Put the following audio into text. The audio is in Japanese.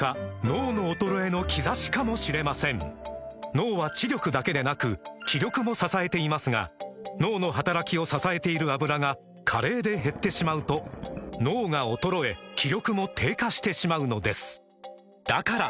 脳の衰えの兆しかもしれません脳は知力だけでなく気力も支えていますが脳の働きを支えている「アブラ」が加齢で減ってしまうと脳が衰え気力も低下してしまうのですだから！